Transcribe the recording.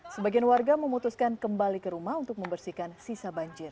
sebagian warga memutuskan kembali ke rumah untuk membersihkan sisa banjir